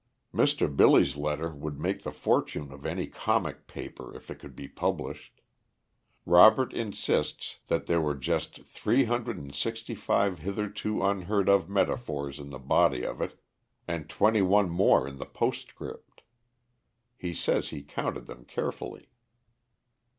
Mr. Billy's letter would make the fortune of any comic paper if it could be published. Robert insists that there were just three hundred and sixty five hitherto unheard of metaphors in the body of it, and twenty one more in the postscript. He says he counted them carefully.